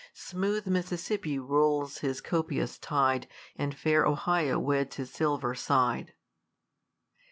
Smooth Mississippi rolls his copious tidC; And fair Ohio weds his silver side.